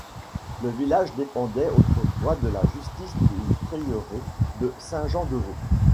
Le village dépendait autrefois de la justice du prieuré de Saint Jean de Vaux.